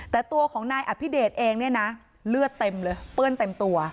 แต่ตัวของนายอภิเดชเองเนี่ยนะเลือดเต็มเลยเปื้อนเต็มตัว